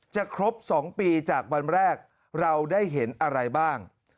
ครบ๒ปีจากวันแรกเราได้เห็นอะไรบ้าง